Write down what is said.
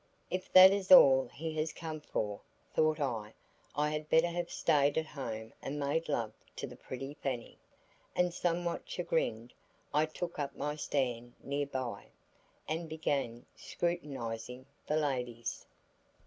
"If that is all he has come for," thought I, "I had better have stayed at home and made love to the pretty Fanny." And somewhat chagrined, I took up my stand near by, and began scrutinizing the ladies.